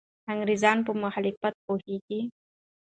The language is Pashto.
انګریزان په مخالفت پوهېږي.